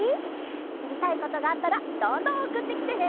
しりたいことがあったらどんどんおくってきてね！